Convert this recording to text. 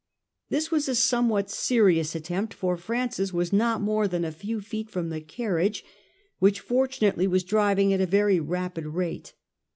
This was a somewhat serious attempt, for Francis was not more than a few feet from the carriage, which 1842. OTHER ATTEMPTS. 159 fortunately was driving at a very rapid rate.